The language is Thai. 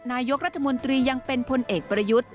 นายกรัฐมนตรียังเป็นพลเอกประยุทธ์